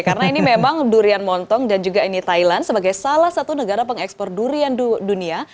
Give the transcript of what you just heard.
karena ini memang durian montong dan juga ini thailand sebagai salah satu negara pengekspor durian dunia